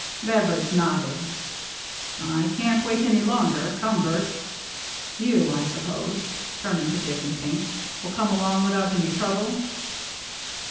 Beveridge nodded. " I can't wait any longer. Come, Bert. You, I suppose," turning to Dick and Pink, "will come along without any trouble?"